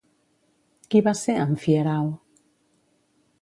Qui va ser Amfiarau?